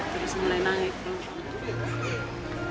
terus mulai naik